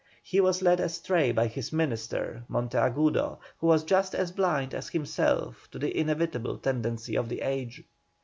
He was led astray by his Minister, Monteagudo, who was just as blind as himself to the inevitable tendency of the age.